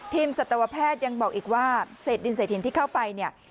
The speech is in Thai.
สัตวแพทย์ยังบอกอีกว่าเศษดินเศษหินที่เข้าไปเนี่ย